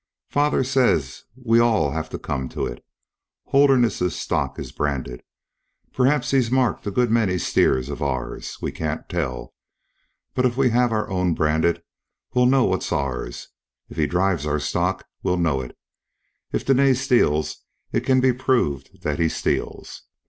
"Father says we'll all have to come to it. Holderness's stock is branded. Perhaps he's marked a good many steers of ours. We can't tell. But if we have our own branded we'll know what's ours. If he drives our stock we'll know it; if Dene steals, it can be proved that he steals."